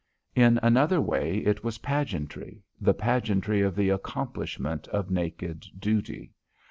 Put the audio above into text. In another way it was pageantry, the pageantry of the accomplishment of naked duty.